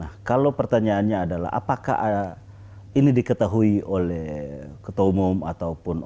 nah kalau pertanyaannya adalah apakah ini diketahui oleh ketua umum atau dpp pan